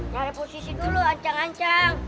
nyari posisi dulu ancang ancang